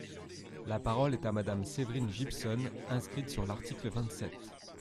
La parole est à Madame Séverine Gipson, inscrite sur l’article vingt-sept.